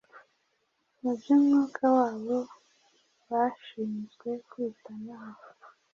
mu by’umwuka wabo bashinzwe kwitanaho.